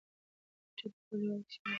هر چاته خپل هیواد کشمیر وې.